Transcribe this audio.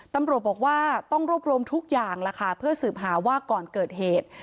ตำรวจบอกว่าต้องรวบรวมทุกอย่างล่ะค่ะเพื่อสืบหาว่าก่อนเกิดเหตุ